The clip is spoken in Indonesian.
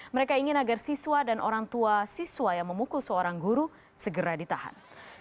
mereka ingin agar siswa dan orang tua siswa yang memukul seorang guru segera ditahan